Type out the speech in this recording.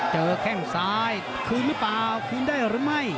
แข้งซ้ายคืนหรือเปล่าคืนได้หรือไม่